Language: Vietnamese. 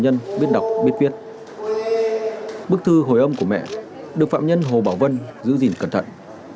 những bức viết bức thư hồi âm của mẹ được phạm nhân hồ bảo vân giữ gìn cẩn thận